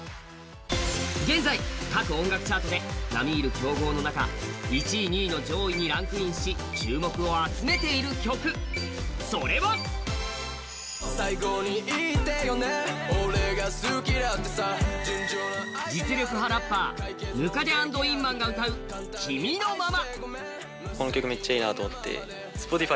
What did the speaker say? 現在各音楽チャートで並み居る強豪の中１位、２位の上位にランクインし注目を集めている曲、それは実力派ラッパー・百足＆韻マンが歌う「君のまま」。